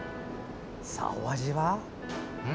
さあ、お味は？